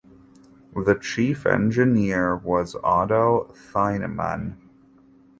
The chief engineer was Otto Thienemann.